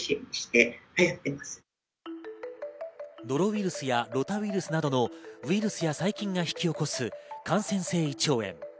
ノロウイルスやロタウイルスなどのウイルスや細菌などが引き起こす感染性胃腸炎。